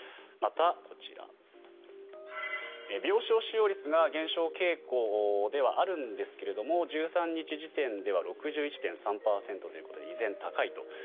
また、病床使用率が減少傾向ではあるんですけれども１３日時点では６１．３％ということで依然高いと。